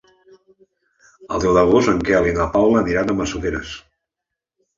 El deu d'agost en Quel i na Paula aniran a Massoteres.